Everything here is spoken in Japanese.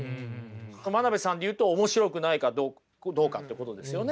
真鍋さんで言うと面白くないかどうかってことですよね。